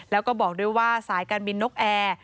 และก็บอกด้วยว่าทรายการบินน้อแอ